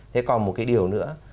thế còn một cái điều nữa